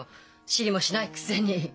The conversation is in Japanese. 知りもしないくせに。